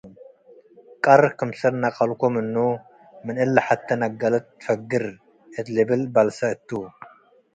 ቀር ክምሰል ነቀልኮ ምኑ፡ ምን እለ ሐቴ ነገለት ትፈግር” እት ልብል በልሰ እቱ።